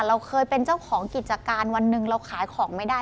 เราเคยเป็นเจ้าของกิจการวันหนึ่งเราขายของไม่ได้